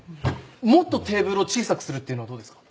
もっとテーブルを小さくするっていうのはどうですか？